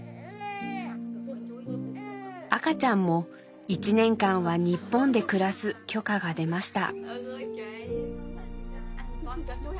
赤ちゃんも１年間は日本で暮らす許可が出ました。